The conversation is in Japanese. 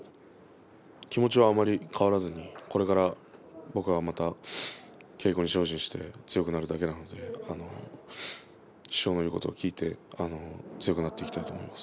気持ちはあまり変わらずにこれから僕はまた稽古に精進して強くなるだけなので師匠の言うことを聞いて強くなっていきたいと思います。